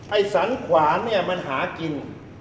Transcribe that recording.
ไอ้สันขวานเนี่ยมันหากิน